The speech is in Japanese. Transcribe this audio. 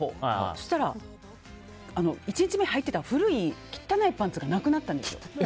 そしたら、１日目にはいてた古い汚いパンツがなくなったんですよ。